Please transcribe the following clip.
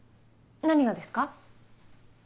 何がですか？